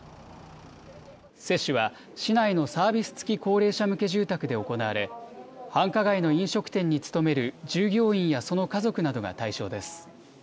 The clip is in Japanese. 接種は市内のサービス付き高齢者向け住宅で行われ繁華街の飲食店に勤める従業員やその家族などが対象です。